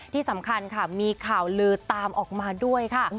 ที่สำคัญค่ะมีข่าวลือตามออกมาด้วยค่ะ